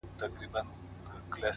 هوښیار انسان وخت ته لومړیتوب ورکوي,